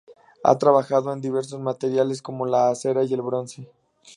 Ha trabajado en diversos materiales como la cera y el bronce.